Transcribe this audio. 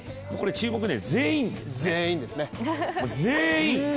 注目ね、全員ですね。